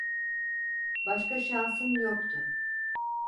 Başka şansın yoktu.